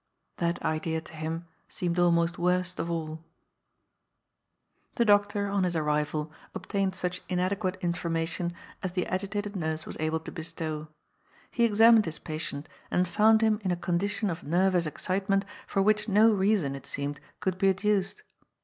That idea to him seemed almost worst of all. The doctor, on his arrival, obtained such inadequate in iormation as the agitated nurse was able to bestow. He examined his patient and found him in a condition of nervous excitement for which no reason, it seemed, could be adduced.